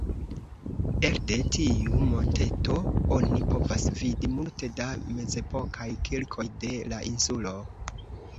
Elde tiu monteto oni povas vidi multe da mezepokaj kirkoj de la insulo.